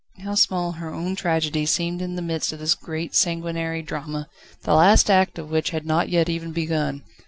How small her own tragedy seemed in the midst of this great sanguinary drama, the last act of which had not yet even begun.